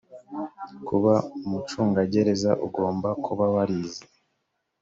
kuba umucungagereza ugomba kuba warize